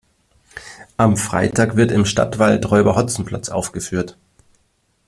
Am Freitag wird im Stadtwald Räuber Hotzenplotz aufgeführt.